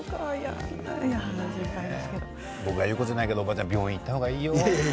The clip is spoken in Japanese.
僕が言うことじゃないけどおばあちゃん病院に行った方がいいよ。